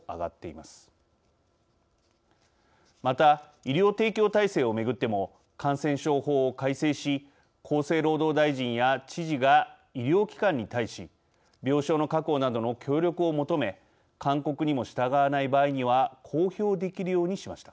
また医療提供体制をめぐっても感染症法を改正し厚生労働大臣や知事が医療機関に対し病床の確保などの協力を求め勧告にも従わない場合には公表できるようにしました。